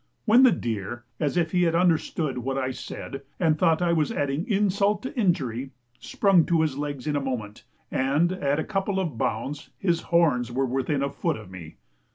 when the deer, as if he had understood what I said, and thought I was adding insult to injury, sprung to his legs in a moment, and at a couple of bounds his horns were within a foot of me.